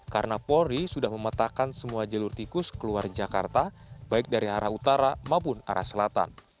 karena polri sudah memetakkan semua jalur tikus keluar jakarta baik dari arah utara maupun arah selatan